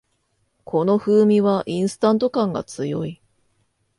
この風味はインスタント感が強い